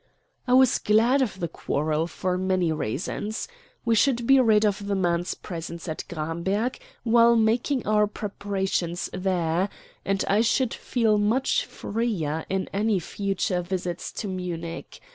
I was glad of the quarrel for many reasons. We should be rid of the man's presence at Gramberg while making our preparations there; and I should feel much freer in any future visits to Munich.